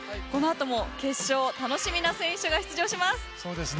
この後も決勝、楽しみな選手が出場します。